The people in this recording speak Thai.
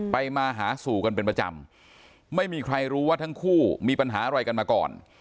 มาหาสู่กันเป็นประจำไม่มีใครรู้ว่าทั้งคู่มีปัญหาอะไรกันมาก่อน